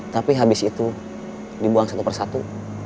tapi habis itu dibuang satu persatu